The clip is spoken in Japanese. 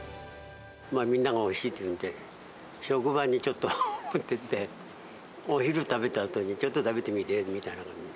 みんながおいしいっていうんで、職場にちょっと持っていって、お昼食べたあとに、ちょっと食べてみてみたいな感じで。